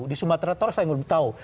di sumatera utara saya belum tahu